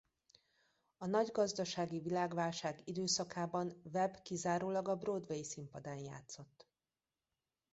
A nagy gazdasági világválság időszakában Webb kizárólag a Broadway színpadán játszott.